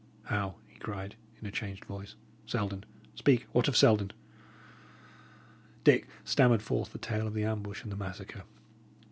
"How!" he cried, in a changed voice. "Selden? Speak! What of Selden?" Dick stammered forth the tale of the ambush and the massacre.